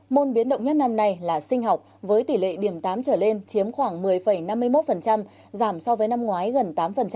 môn biến động nhất năm nay là sinh học với tỷ lệ điểm tám trở lên chiếm khoảng một mươi năm mươi một giảm so với năm ngoái gần tám